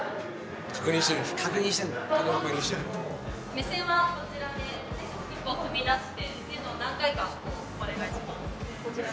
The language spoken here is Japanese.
・目線はこちらで一歩踏み出してっていうのを何回かお願いします！